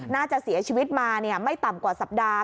น่าจะเสียชีวิตมาไม่ต่ำกว่าสัปดาห